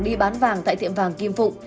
đi bán vàng tại tiệm vàng kim phụ